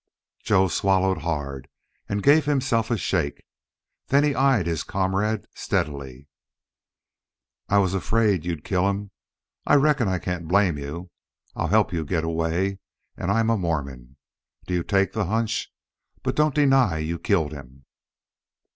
Joe swallowed hard and gave himself a shake. Then he eyed his comrade steadily. "I was afraid you'd kill him. I reckon I can't blame you. I'll help you get away. And I'm a Mormon! Do you take the hunch?... But don't deny you killed him!"